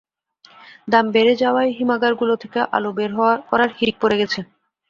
দাম বেড়ে যাওয়ায় হিমাগারগুলো থেকে আলু বের করার হিড়িক পড়ে গেছে।